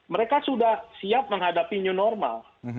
mereka sudah siap menghadapi new normal